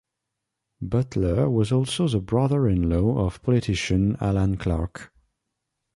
Beuttler was also the brother-in-law of politician Alan Clark.